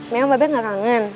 memang mbak be nggak kangen